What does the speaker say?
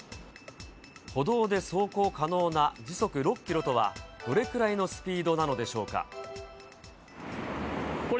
歩道で走行可能な時速６キロとは、どれくらいのスピードなのでしょこれ